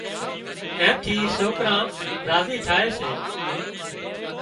اين ٿي سوڪران راضي ٿائي سي